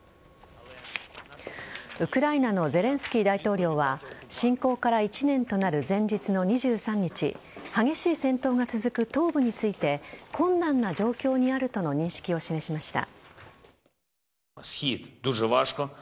ウクライナのゼレンスキー大統領は侵攻から１年となる前日の２３日激しい戦闘が続く東部について困難な状況にあるとの認識を示しました。